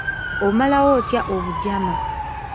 Omalawo otya obujama?